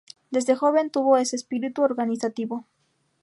Desde joven tuve ese espíritu organizativo.